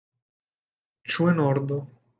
Ĉu en ordo?